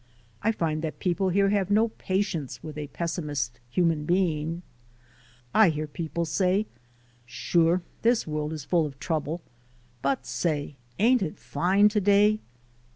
I find that people here have no patience with a pessimist human being. I hear people say: "Sure, this world is full of trouble ... but, say, ain't it fine to day?"